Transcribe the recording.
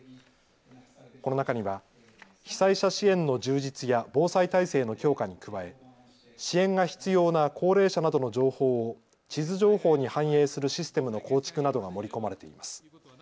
この中には被災者支援の充実や防災体制の強化に加え支援が必要な高齢者などの情報を地図情報に反映するシステムの構築などが盛り込まれています。